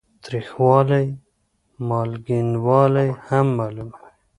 تریخوالی او مالګینوالی هم معلوموي.